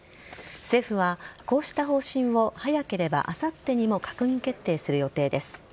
政府は、こうした方針を早ければあさってにも閣議決定する予定です。